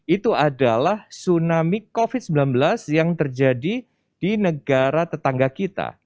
itu adalah tsunami covid sembilan belas yang terjadi di negara tetangga kita